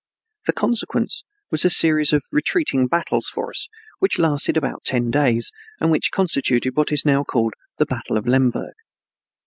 The consequence was a series of retreating battles for us, which lasted about ten days and which constituted what is now called the battle of Lemberg.